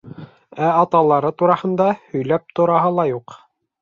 Ә аталары тураһында һөйләп тораһы ла юҡ.